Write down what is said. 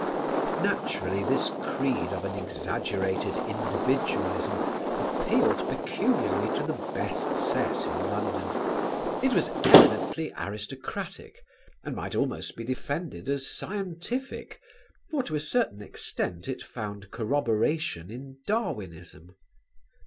Naturally this creed of an exaggerated individualism appealed peculiarly to the best set in London. It was eminently aristocratic and might almost be defended as scientific, for to a certain extent it found corroboration in Darwinism.